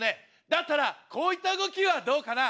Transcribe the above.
だったらこういった動きはどうかな？